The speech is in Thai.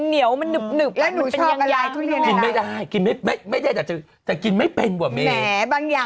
เนินมะปลางนี่เป็นอีกที่นึงที่ผลละไม้อร่อยมาก